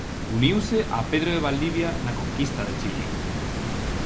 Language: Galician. Uniuse a Pedro de Valdivia na conquista de Chile.